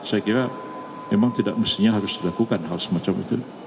saya kira memang tidak mestinya harus dilakukan hal semacam itu